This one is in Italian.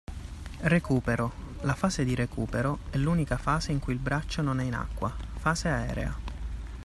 Recupero: La fase di recupero è l’unica fase in cui il braccio non è in acqua (fase aerea).